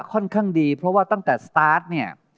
ค่อนข้างดีเพราะว่าตั้งแต่สตาร์ทเนี่ย